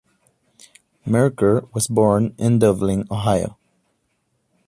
Mercker was born in Dublin, Ohio.